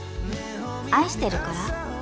愛してるから？